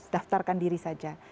daftarkan diri saja